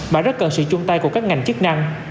mà rất cần sự chung tay của các ngành chức năng